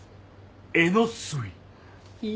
えのすい。